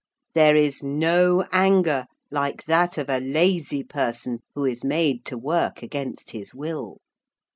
There is no anger like that of a lazy person who is made to work against his will.